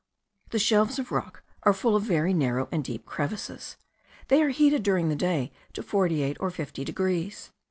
The shelves of rock are full of very narrow and deep crevices. They are heated during the day to 48 or 50 degrees.